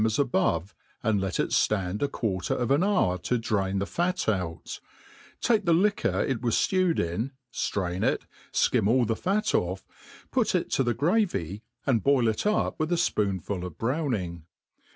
as above, and let it Ibnd a quarter of an hour to drain the fat out ; take the liquor it was fiewed in, flrain it, fkim all the fat off, put it to the gravy, and boil it up with a fpoonful of brown ing.